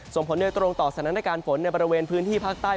ส่งผลโดยตรงต่อสถานการณ์ฝนในบริเวณพื้นที่ภาคใต้